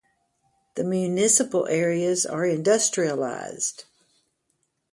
The municipal areas are industrialised.